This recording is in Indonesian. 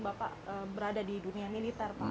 bapak berada di dunia militer pak